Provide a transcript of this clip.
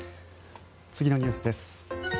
次のニュースです。